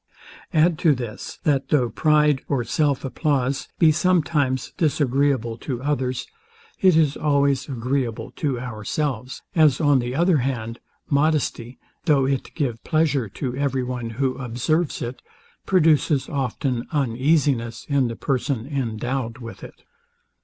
Add to this, that though pride, or self applause, be sometimes disagreeable to others, it is always agreeable to ourselves; as on the other hand, modesty, though it gives pleasure to every one, who observes it, produces often uneasiness in the person endowed with it.